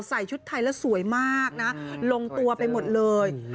ใส่ชุดไทยแล้วสวยมากนะลงตัวไปหมดเลย